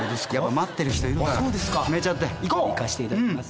待ってる人いるからそうですかいかせていただきます